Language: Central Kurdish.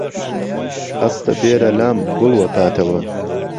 ههسته بێره لام گوڵ وه پاتهوه